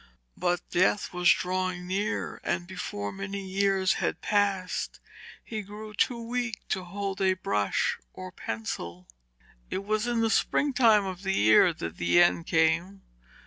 But Death was drawing near, and before many years had passed he grew too weak to hold a brush or pencil. It was in the springtime of the year that the end came.